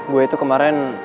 gue itu kemaren